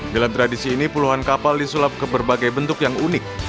dalam tradisi ini puluhan kapal disulap ke berbagai bentuk yang unik